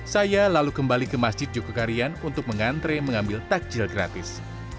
saya lalu kembali ke masjid jokarian untuk mengantre mengambil takjil gratis